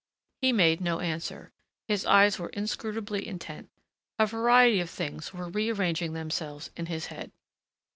He made no answer. His eyes were inscrutably intent. A variety of things were rearranging themselves in his head.